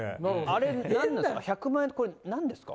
あれ何ですか？